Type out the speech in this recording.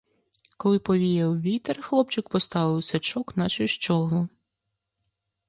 Коли повіяв вітер, хлопчик поставив сачок, наче щоглу.